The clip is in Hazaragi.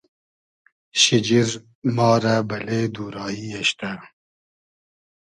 شیجیر ما رۂ بئلې دو رایی اېشتۂ